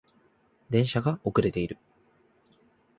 電車が遅れている